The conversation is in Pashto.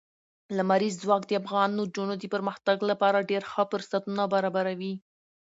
لمریز ځواک د افغان نجونو د پرمختګ لپاره ډېر ښه فرصتونه برابروي.